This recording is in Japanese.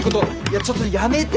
ちょっとやめて！